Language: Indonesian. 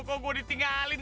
nggak ada yang tinggalan